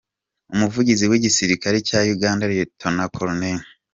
Umuvugizi w’igisirikare cya Uganda Lt Col.